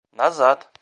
назад